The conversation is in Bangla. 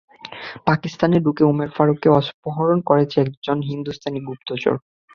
পাকিস্তানে ঢুকে ওমর ফারুককে অপহরণ করেছে একজন হিন্দুস্তানি গুপ্তচর।